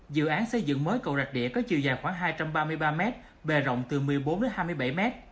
dự án xây dựng mới cầu rạch đĩa có chiều dài khoảng hai trăm ba mươi ba m bề rộng từ một mươi bốn đến hai mươi bảy m